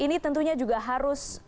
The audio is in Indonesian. ini tentunya juga harus menjadi kesalahan